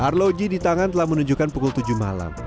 arloji di tangan telah menunjukkan pukul tujuh malam